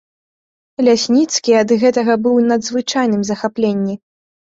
Лясніцкі ад гэтага быў у надзвычайным захапленні.